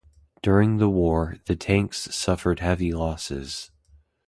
During the war, the tanks suffered heavy losses.